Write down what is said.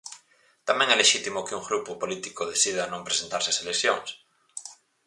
Tamén é lexítimo que un grupo político decida non presentarse ás eleccións.